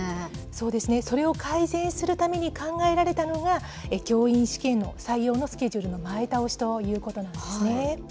そうですね、それを改善するために考えられたのが、教員試験の、採用のスケジュールの前倒しということなんですね。